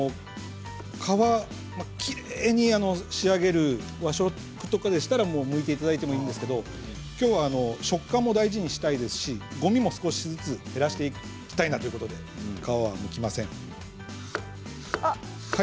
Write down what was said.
きれいに仕上げる和食とかでしたらむいていただいてもいいんですけど、きょうは食感も大事にしたいですしごみも少しずつ減らしていきたいなということで皮はむきません。